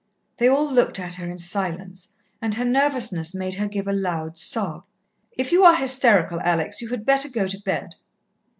They all looked at her in silence, and her nervousness made her give a loud sob. "If you are hysterical, Alex, you had better go to bed."